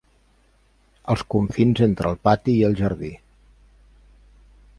Els confins entre el pati i el jardí.